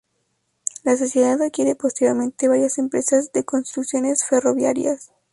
La sociedad adquiere posteriormente varias empresas de construcciones ferroviarias.